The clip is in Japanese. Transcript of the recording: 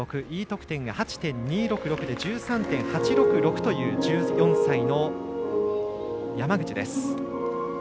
Ｅ得点が８．２６６でトータル１３．８６６という１４歳の山口です。